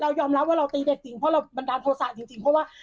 เรายอมรับว่าเราตีเด็กจริงเพราะเราบันดาลโทษศาสตร์จริงจริงเพราะว่า